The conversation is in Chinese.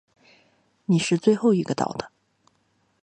你是最后一个到的。